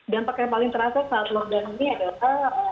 dampak yang paling terasa saat lockdown ini adalah